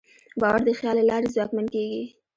باور د خیال له لارې ځواکمن کېږي.